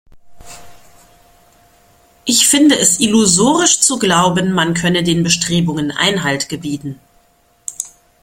Ich finde es illusorisch zu glauben, man könne den Bestrebungen Einhalt gebieten.